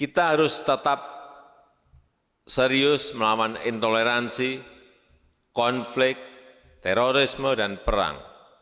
kita harus tetap serius melawan intoleransi konflik terorisme dan perang